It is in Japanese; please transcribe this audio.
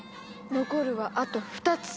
残るはあと２つ！